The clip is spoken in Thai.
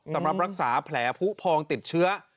สำหรับรักษาแผลผู้พองติดเชื้อ